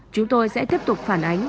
chúng tôi sẽ tiếp tục phản ánh